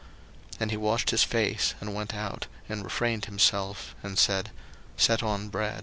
01:043:031 And he washed his face, and went out, and refrained himself, and said, Set on bread.